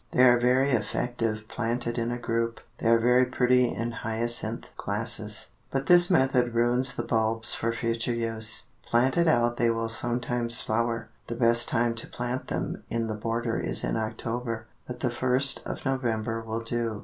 They are very effective planted in a group. They are very pretty in hyacinth glasses, but this method ruins the bulbs for future use. Planted out they will sometimes flower. The best time to plant them in the border is in October, but the first of November will do.